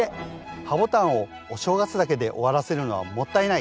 ハボタンをお正月だけで終わらせるのはもったいない！